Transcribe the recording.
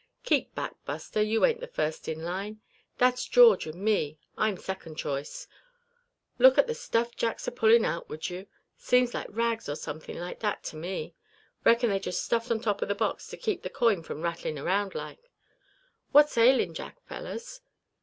Keep back, Buster, you ain't the first in line; that's George, and me, I'm second choice. Look at the stuff Jack's a pullin' out, would you? Seems like rags or somethin' like that, to me. Reckon they just stuffed the top of the box full to keep the coin from rattling around like. What's ailing Jack, fellers?